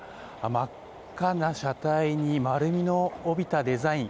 真っ赤な車体に丸みを帯びたデザイン。